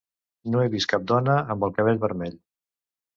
No he vist cap dona amb el cabell vermell.